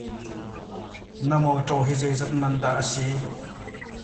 Na mawtaw hi zeizat man dah a si?